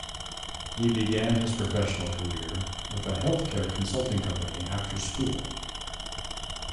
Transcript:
He began his professional career with a health-care consulting company after school.